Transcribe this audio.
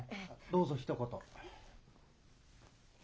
どうぞひと言。